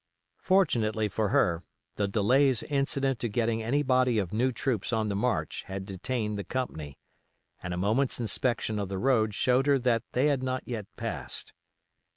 Fortunately for her, the delays incident to getting any body of new troops on the march had detained the company, and a moment's inspection of the road showed her that they had not yet passed.